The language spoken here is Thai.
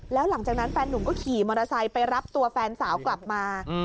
แล้วหลังจากนั้นแฟนหนุ่มก็ขี่มอเตอร์ไซค์ไปรับตัวแฟนสาวกลับมา